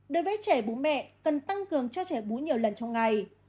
đối với trẻ bú mẹ cần tăng cường cho trẻ bú nhiều lần trong ngày